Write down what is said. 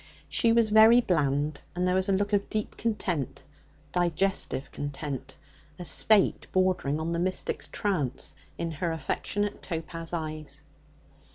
She was very bland, and there was a look of deep content digestive content, a state bordering on the mystic's trance in her affectionate topaz eyes.